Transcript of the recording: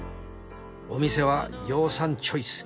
お店は羊さんチョイス。